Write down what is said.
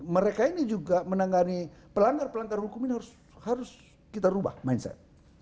mereka ini juga menangani pelanggar pelanggar hukum ini harus kita ubah mindset